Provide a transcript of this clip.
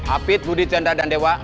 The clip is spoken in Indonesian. apit budi tjenda dandewa